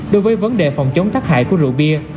đối với vấn đề phòng chống tác hại của rượu bia